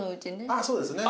ああそうですね。